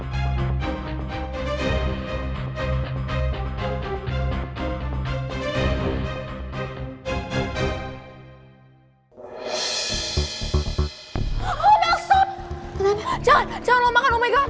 jangan jangan lo makan oh my god